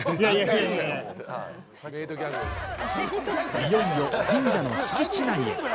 いよいよ神社の敷地内へ。